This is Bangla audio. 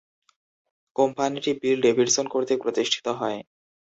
কোম্পানিটি বিল ডেভিডসন কর্তৃক প্রতিষ্ঠিত হয়।